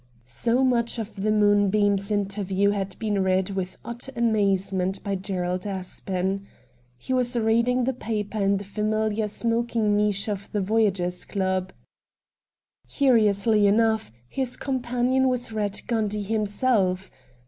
So much of the ' Moonbeam's ' interview had been read with utter amazement by Gerald Aspen. He was reading the paper in the famihar smoking niche of the Voyagers' Club. Curiously enough his companion was Eatt Gundy himself.